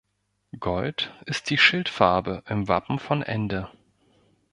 Gold ist die Schildfarbe im Wappen von Ende.